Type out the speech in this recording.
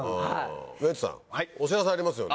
ウエンツさんお知らせありますよね。